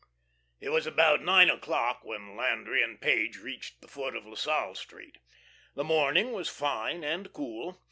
It was about nine o'clock, when Landry and Page reached the foot of La Salle Street. The morning was fine and cool.